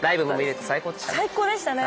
最高でしたね。